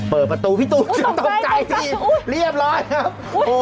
เปิดประตูพี่ตูตกใจที่เรียบร้อยครับ